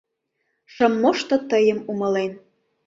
Шым мошто тыйым умылен